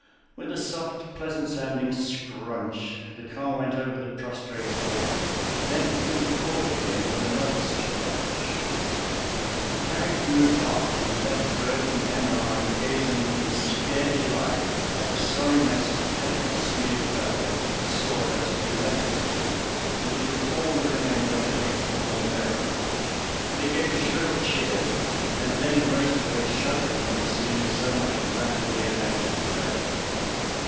With a soft, pleasant sounding scrunch the car went over the prostrate form, then it moved forward again with another scrunch. The carriage moved off and left Bert and Emmeline gazing in scared delight at a sorry mess of petrol smeared velvet, sawdust, and leopard skin, which was all that remained of the hateful Morlvera. They gave a shrill cheer, and then raced away shuddering from the scene of so much rapidly enacted tragedy.